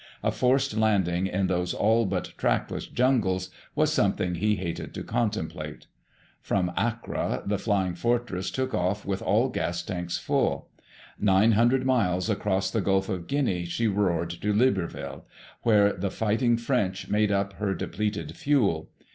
A forced landing in those all but trackless jungles was something he hated to contemplate. From Accra the Flying Fortress took off with all gas tanks full. Nine hundred miles across the Gulf of Guinea she roared to Libreville, where the Fighting French made up her depleted fuel.